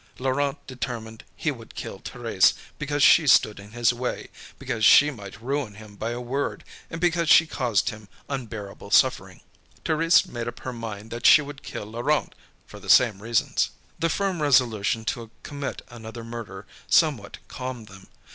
Laurent determined he would kill Thérèse because she stood in his way, because she might ruin him by a word, and because she caused him unbearable suffering. Thérèse made up her mind that she would kill Laurent, for the same reasons. The firm resolution to commit another murder somewhat calmed them.